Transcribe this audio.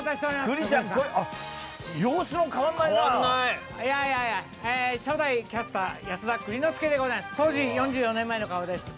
栗ちゃん、様子も変わんないいやいや、初代キャスター、安田栗之助でございます、当時の顔です。